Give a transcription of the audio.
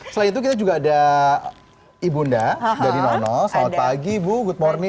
selain itu kita juga ada ibunda dari nono selamat pagi ibu good morning